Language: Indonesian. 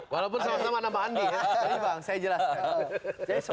walaupun sama sama nama andi ya jadi bang saya jelaskan